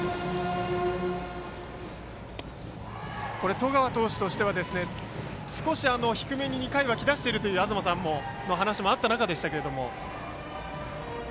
十川投手としては少し低めに２回はき出しているという東さんの話もあった中ですが。